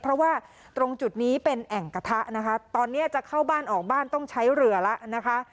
เพราะว่าตรงจุดนี้เป็นแอ่งกระทะนะคะตอนนี้จะเข้าบ้านออกบ้านต้องใช้เรือแล้วนะคะ